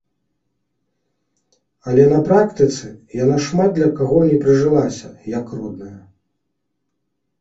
Але на практыцы яна шмат для каго не прыжылася як родная.